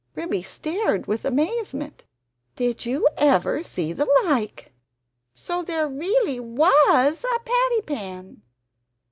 Ribby stared with amazement "Did you ever see the like! so there really WAS a patty pan?